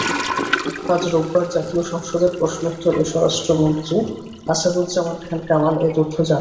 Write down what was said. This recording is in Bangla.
আজ রোববার জাতীয় সংসদের প্রশ্নোত্তরে স্বরাষ্ট্রমন্ত্রী আসাদুজ্জামান খান কামাল এ তথ্য জানান।